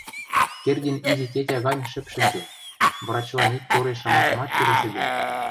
Кердин изи тетя гань шӹп шӹнзен, врачлан ик тореш шамакымат келесӹде.